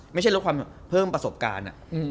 ไม่ใช่ลดความเพิ่มประสบการณ์